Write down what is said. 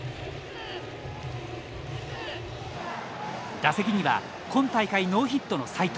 打席には今大会ノーヒットの斎藤。